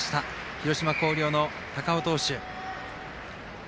広島の広陵の高尾投手。